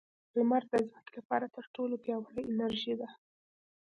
• لمر د ځمکې لپاره تر ټولو پیاوړې انرژي ده.